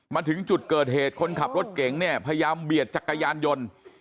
มาถึงจุดเกิดเหตุคนขับรถเก๋งเนี่ยพยายามเบียดจักรยานยนต์